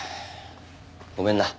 ごめんな。